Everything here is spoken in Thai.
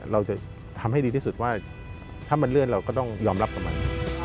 เราจะทำให้ดีที่สุดว่าถ้ามันเลื่อนเราก็ต้องยอมรับกับมัน